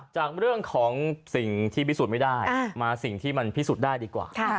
จากเรื่องของสิ่งที่พิสูจน์ไม่ได้มาสิ่งที่มันพิสูจน์ได้ดีกว่า